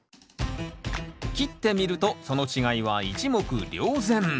切ってみるとその違いは一目瞭然。